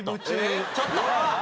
ちょっと。